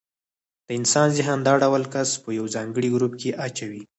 د انسان ذهن دا ډول کس په یو ځانګړي ګروپ کې اچوي.